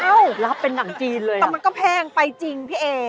รับเป็นหนังจีนเลยแต่มันก็แพงไปจริงพี่เอ